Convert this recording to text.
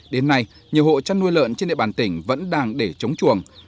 đến nay nhiều hộ chăn nuôi lợn trên địa bàn tỉnh vẫn đang để chống chuồng